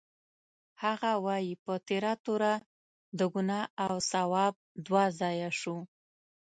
هغه وایي: په تېره توره د ګناه او ثواب دوه ځایه شو.